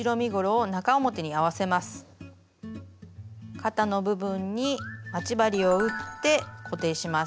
肩の部分に待ち針を打って固定します。